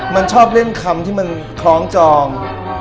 มันชอบเล่นคำที่มันคล้องจอง